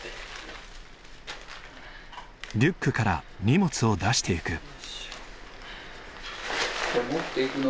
リュックから荷物を出していく。